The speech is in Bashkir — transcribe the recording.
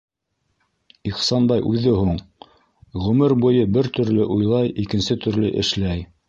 Ихсанбай үҙе һуң... ғүмер буйы бер төрлө уйлай, икенсе төрлө эшләй.